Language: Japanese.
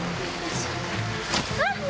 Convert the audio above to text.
あっ！